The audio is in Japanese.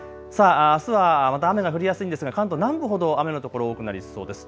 あすはまだ雨が降りやすいですが関東南部ほど雨の所多くなりそうです。